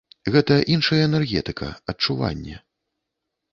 Гэта іншая энергетыка, адчуванне.